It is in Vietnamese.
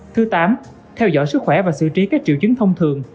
thứ tám theo dõi sức khỏe và xử trí các triệu chứng thông thường